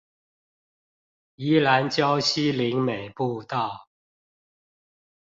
宜蘭礁溪林美步道